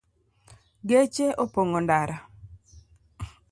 Geche opong’o ndara